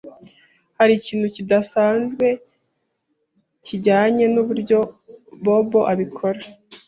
Hari ikintu kidasanzwe kijyanye nuburyo Bobo abikora?